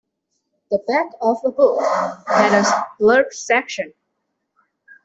The back of a book has a blurb section.